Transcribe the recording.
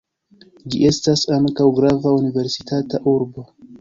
Ĝi estas ankaŭ grava universitata urbo.